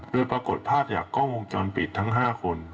โดยปรากฏภาพจากกล้องวงจรปิดทั้ง๕คน